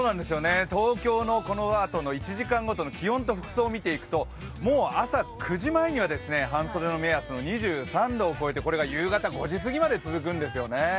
東京のこのあとの１時間ごとの気温と服装見ていくと朝９時前には、半袖の目安の２３度を超えてこれが夕方５時過ぎまで続くんですよね。